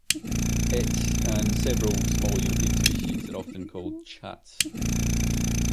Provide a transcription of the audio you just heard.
It, and similar small European species, are often called chats.